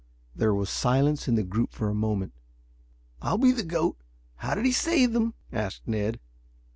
There was silence in the group for a moment. "I'll be the goat. How did he save them?" asked Ned.